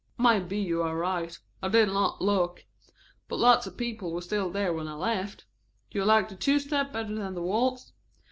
"May be you are right. I did not look. But lots of people were still there when I left. Do you like the two step better than the waltz?"